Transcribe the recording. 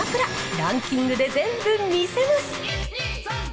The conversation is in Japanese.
ランキングで全部見せます。